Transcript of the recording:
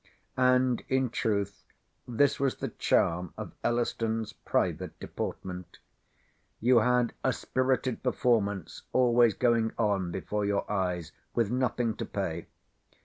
And in truth this was the charm of Elliston's private deportment. You had a spirited performance always going on before your eyes, with nothing to pay.